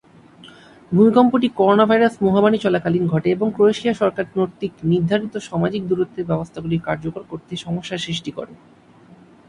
ভূমিকম্পটি coronavirus মহামারী চলাকালীন ঘটে এবং ক্রোয়েশিয়া সরকার কর্তৃক নির্ধারিত সামাজিক দূরত্বের ব্যবস্থাগুলি কার্যকর করতে সমস্যা সৃষ্টি করে।